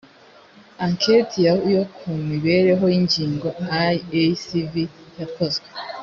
anketi ya ku mibereho y’ ingo eicv yakozwe.